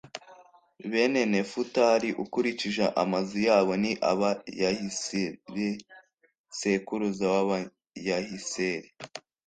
bene nefutali, ukurikije amazu yabo ni aba: yahiseli sekuruza w’abayahiseli;